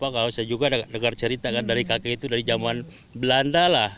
kalau saya juga dengar cerita dari kakek itu dari zaman belanda lah